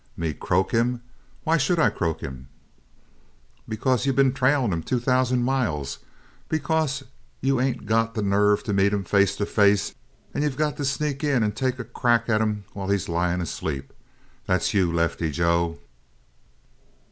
"Me croak him? Why should I croak him?" "Because you been trailing him two thousand miles. Because you ain't got the nerve to meet him face to face and you got to sneak in and take a crack at him while he's lying asleep. That's you, Lefty Joe!"